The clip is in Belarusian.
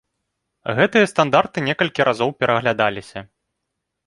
Гэтыя стандарты некалькі разоў пераглядаліся.